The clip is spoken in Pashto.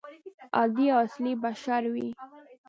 عادي او اصلي بشر وي.